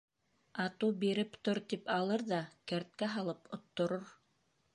Ату, биреп тор, тип алыр ҙа кәрткә һалып отторор.